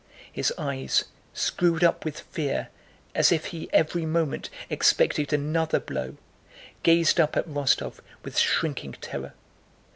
His eyes, screwed up with fear as if he every moment expected another blow, gazed up at Rostóv with shrinking terror.